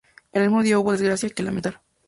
El mismo día hubo desgracia que lamentar.